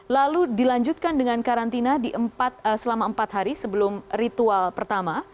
lalu dilanjutkan dengan karantina selama empat hari sebelum ritual pertama